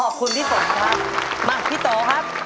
ขอบคุณพี่ฝนครับมาพี่โตครับ